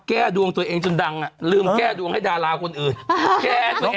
แก้ดวงตัวเองจนดังอ่ะลืมแก้ดวงให้ดาราคนอื่น